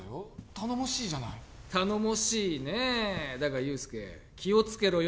頼もしいじゃない頼もしいねえだが憂助気をつけろよ